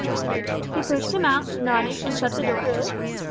She pushed him out, nodded, and shut the door.